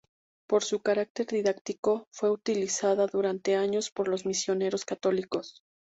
Por su carácter didáctico, fue utilizada durante años por los misioneros católicos.